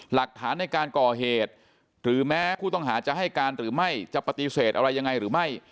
หลักฐานในการก่อเหตุหรือแม้ผู้ต้องหาจะให้การหรือไม่จะปฏิเสธอะไรยังไงหรือไม่